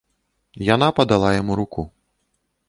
Яна падала яму руку.